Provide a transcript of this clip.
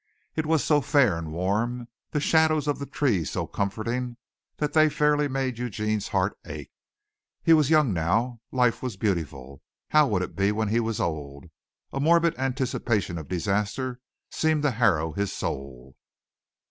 It was so fair and warm, the shadows of the trees so comforting that they fairly made Eugene's heart ache. He was young now, life was beautiful, but how would it be when he was old? A morbid anticipation of disaster seemed to harrow his soul.